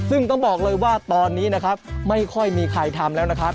ซึ่งต้องบอกเลยว่าตอนนี้นะครับไม่ค่อยมีใครทำแล้วนะครับ